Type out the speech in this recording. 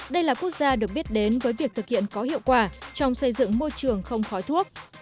đây là quốc gia được biết đến với việc thực hiện có hiệu quả trong xây dựng môi trường không khói thuốc